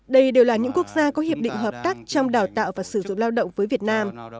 đây đều là những quốc gia có hiệp định hợp tác trong đào tạo và sử dụng lao động với việt nam